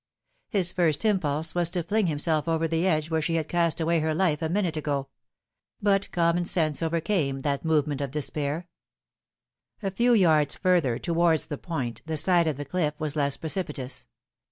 His first impulse was to fling himself over the edge where she had cast away her life a minute ago ; but common sense overcame that movement of despair. A few yards further towards the point the side of the cliff was less precipitous.